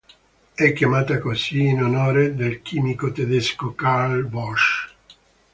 È chiamata così in onore del chimico tedesco Carl Bosch.